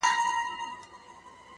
عبث دي راته له زلفو نه دام راوړ,